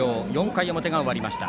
４回表が終わりました。